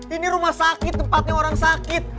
ini rumah sakit tempatnya orang sakit